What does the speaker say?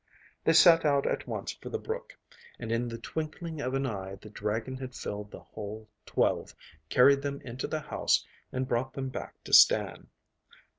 They set out at once for the brook, and in the twinkling of an eye the dragon had filled the whole twelve, carried them into the house, and brought them back to Stan.